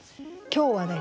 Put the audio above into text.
今日はね